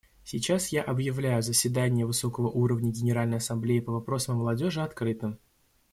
Сейчас я объявляю заседание высокого уровня Генеральной Ассамблеи по вопросам о молодежи открытым.